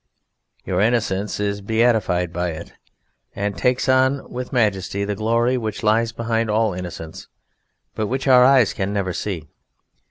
Your innocence is beatified by it, and takes on with majesty the glory which lies behind all innocence, but which our eyes can never see.